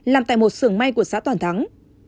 làm tại một sưởng mây của xã toàn thắng